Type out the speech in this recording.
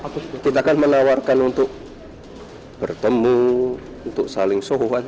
kita kan menawarkan untuk bertemu untuk saling sohut